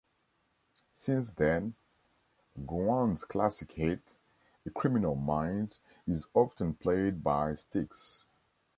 Since then, Gowan's classic hit, "A Criminal Mind", is often played by Styx.